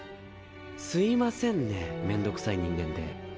すいませんねぇめんどくさい人間で。